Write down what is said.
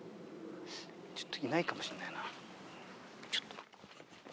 ちょっといないかもしんないな。